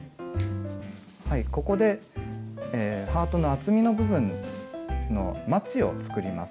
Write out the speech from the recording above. ここでハートの厚みの部分のまちを作ります。